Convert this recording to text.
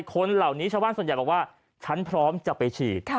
คนเหล่านี้ชาวบ้านส่วนใหญ่บอกว่าฉันพร้อมจะไปฉีด